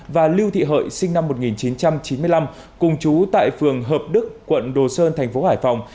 và lưu thị hợi sinh năm một nghìn chín trăm chín mươi năm cùng chú tại phường hợp đức quận đồ sơn thành phố hải phòng